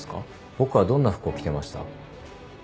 僕はどんな服を着てました？